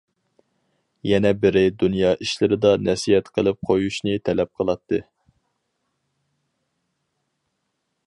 يەنە بىرى دۇنيا ئىشلىرىدا نەسىھەت قىلىپ قويۇشنى تەلەپ قىلاتتى.